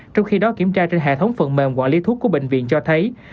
trong khi đó kiểm tra trên hệ thống phần mềm quản lý thuốc của bệnh viện cho thấy